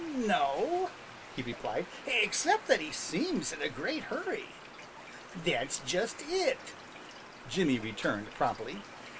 "No," he replied, "except that he seems in a great hurry." "That's just it," Jimmy returned promptly.